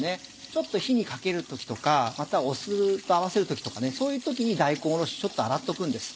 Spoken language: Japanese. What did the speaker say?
ちょっと火にかける時とかまた酢と合わせる時とかねそういう時に大根おろしちょっと洗っとくんです。